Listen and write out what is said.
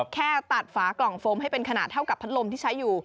แค่ตัดฝากล่องโฟมให้เป็นขนาดเท่ากับพัดลมที่ใช้อยู่